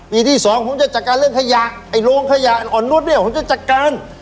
ที่สองผมจะจัดการเรื่องขยะไอ้โรงขยะอ่อนนุษย์เนี่ยผมจะจัดการ